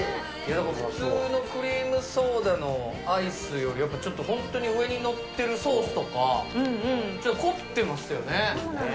普通のクリームソーダのアイスより、やっぱちょっと本当に上に載っているソースとか、凝ってますよね。